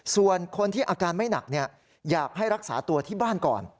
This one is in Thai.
ส่วนคนที่อาการไม่หนักอยากให้รักษาตัวที่บ้านก่อน